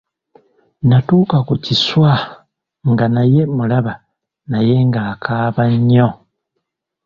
Natuuka ku kiswa nga naye mulaba naye ng’akaaba nnyo.